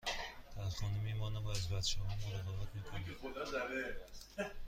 در خانه می مانم و از بچه ها مراقبت می کنم.